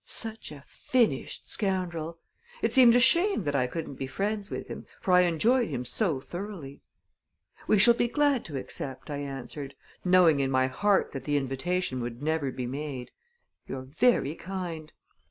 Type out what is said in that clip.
Such a finished scoundrel! It seemed a shame that I couldn't be friends with him, for I enjoyed him so thoroughly. "We shall be glad to accept," I answered, knowing in my heart that the invitation would never be made. "You're very kind."